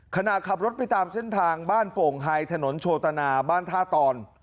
ขณะขับรถไปตามเส้นทางบ้านโป่งไฮถนนโชตนาบ้านท่าตอน